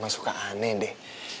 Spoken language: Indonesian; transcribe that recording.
mama suka aneh deh